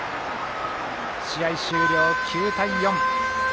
試合終了、９対４。